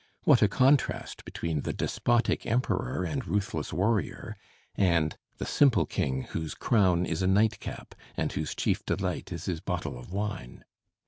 What a contrast between the despotic emperor and ruthless warrior, and the simple king whose crown is a nightcap and whose chief delight is his bottle of wine!